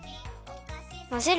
まぜる！